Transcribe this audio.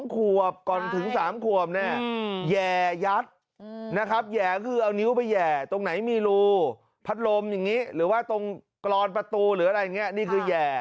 เค้ากำลังตรงกรอนประตูหรืออะไรอย่างนี้มีแห่